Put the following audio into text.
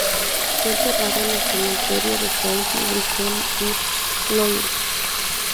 Fue enterrada en el Cementerio de Saint-Brisson-sur-Loire.